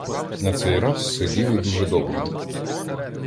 На цей раз сиділи дуже довго.